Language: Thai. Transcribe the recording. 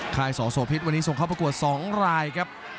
ค่ายสอโสพิษวันนี้ส่งเข้าประกวด๒รายครับ